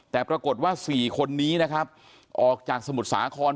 แต่ปรากฏว่า๔คนนี้นะครับออกจากสมุทรสาคร